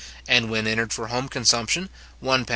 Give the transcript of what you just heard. and, when entered for home consumption, £1:3:9¾d.